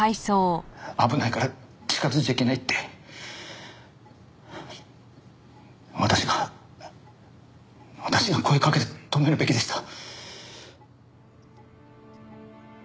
危ないから近づいちゃいけないって私が私が声かけて止めるべきでした。